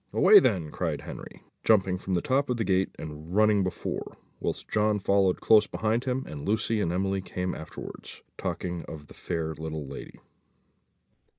"Away then," cried Henry, jumping from the top of the gate, and running before, whilst John followed close behind him, and Lucy and Emily came afterwards, talking of the fair little lady.